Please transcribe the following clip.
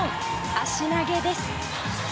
足投げです。